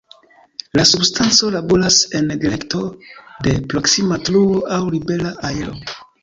La substanco laboras en direkto de proksima truo aŭ "libera aero".